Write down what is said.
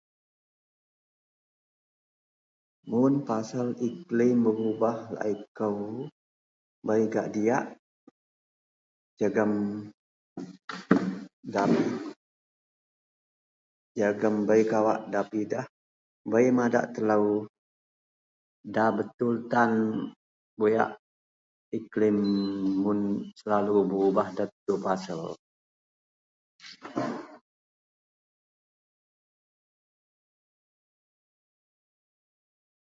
Mun pasel iklim berubah laei kou bei gak diyak jegem bei kawak nda pidah bei madak telou nda betul tan buyak iklim mun selalu berubah nda tetu pasel